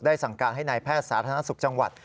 สั่งการให้นายแพทย์สาธารณสุขจังหวัด